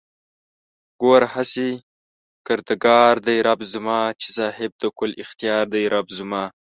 گوره هسې کردگار دئ رب زما چې صاحب د کُل اختيار دئ رب زما